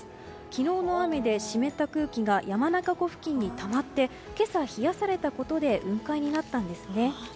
昨日の雨で湿った空気が山中湖付近にたまって今朝、冷やされたことで雲海になったんですね。